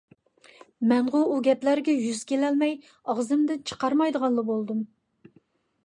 مەنغۇ ئۇ گەپلەرگە يۈز كېلەلمەي ئاغزىمدىن چىقارمايدىغانلا بولدۇم.